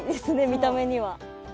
見た目には。